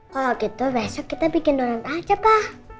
kalau gitu besok kita bikin donat aja pa